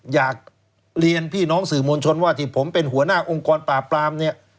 อยากเรียนพี่น้องสื่อมวลชนว่าที่ผมเป็นหัวหน้าองค์กรปราบปรามเนี่ย